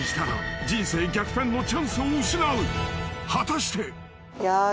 ［果たして⁉］